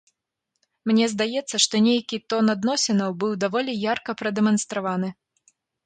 Мне здаецца, што нейкі тон адносінаў быў даволі ярка прадэманстраваны.